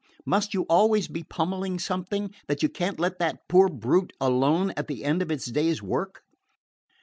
Must you always be pummelling something, that you can't let that poor brute alone at the end of its day's work?"